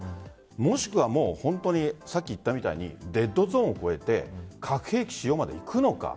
もしくは本当にさっき言ったみたいにレッドゾーンを超えて核兵器使用までいくのか。